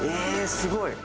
すごい！